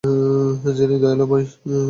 যিনি দয়ালু দয়াময়।